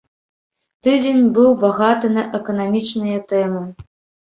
Тыдзень быў багаты на эканамічныя тэмы.